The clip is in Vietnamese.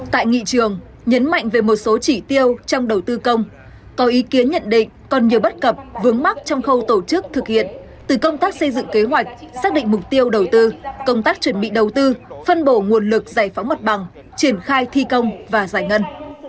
tại nghị trường nhấn mạnh về một số chỉ tiêu trong đầu tư công có ý kiến nhận định còn nhiều bất cập vướng mắc trong khâu tổ chức thực hiện từ công tác xây dựng kế hoạch xác định mục tiêu đầu tư công tác chuẩn bị đầu tư phân bổ nguồn lực giải phóng mặt bằng triển khai thi công và giải ngân